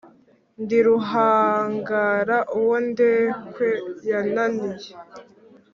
Ndi Ruhangara uwo indekwe yananiye